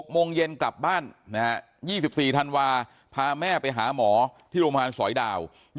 โมงเย็นกลับบ้าน๒๔ธันวาพาแม่ไปหาหมอที่โรงพยาบาลสอยดาว